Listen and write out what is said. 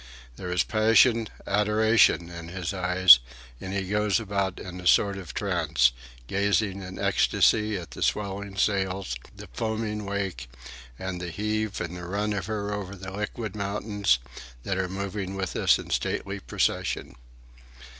There is passion, adoration, in his eyes, and he goes about in a sort of trance, gazing in ecstasy at the swelling sails, the foaming wake, and the heave and the run of her over the liquid mountains that are moving with us in stately procession.